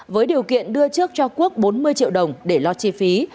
với điều kiện đưa trước cho quốc bốn mươi triệu đồng để lo chi phí